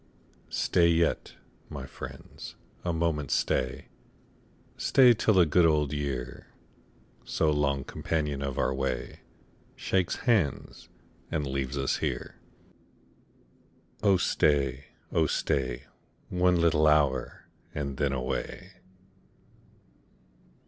Stat yet, my friends, a moment stay — Stay till the good old year, So long companion of our way, Shakes hands, and leaves ns here. Oh stay, oh stay. One little hour, and then away.